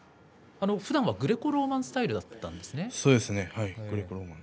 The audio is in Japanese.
ふだんはグレコローマンスタイルだったんですね。